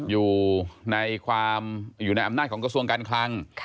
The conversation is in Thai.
อยู่ในอำนาจของกระทรวงการคลัง